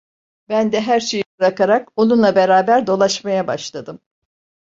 Ben de her şeyi bırakarak onunla beraber dolaşmaya başladım.